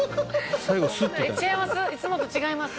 違います？